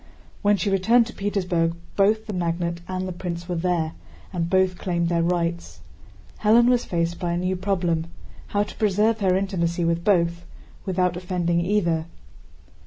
When she returned to Petersburg both the magnate and the prince were there, and both claimed their rights. Hélène was faced by a new problem—how to preserve her intimacy with both without offending either.